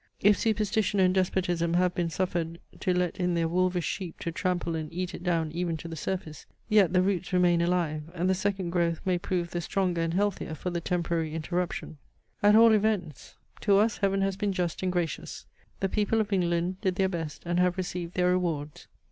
If superstition and despotism have been suffered to let in their wolvish sheep to trample and eat it down even to the surface, yet the roots remain alive, and the second growth may prove the stronger and healthier for the temporary interruption. At all events, to us heaven has been just and gracious. The people of England did their best, and have received their rewards.